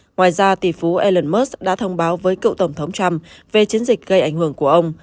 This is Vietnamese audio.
ngoài ra tỷ phú elon musk đã thông báo với cựu tổng thống trump về chiến dịch gây ảnh hưởng của ông